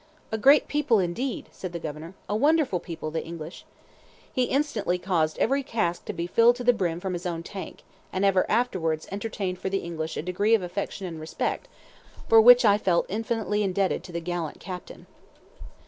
"A great people indeed!" said the Governor; "a wonderful people, the English!" He instantly caused every cask to be filled to the brim from his own tank, and ever afterwards entertained for the English a degree of affection and respect, for which I felt infinitely indebted to the gallant captain.